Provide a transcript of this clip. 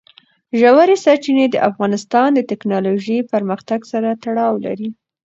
ژورې سرچینې د افغانستان د تکنالوژۍ پرمختګ سره تړاو لري.